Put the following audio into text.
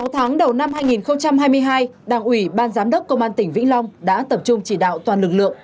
sáu tháng đầu năm hai nghìn hai mươi hai đảng ủy ban giám đốc công an tỉnh vĩnh long đã tập trung chỉ đạo toàn lực lượng